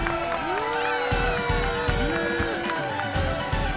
うわ！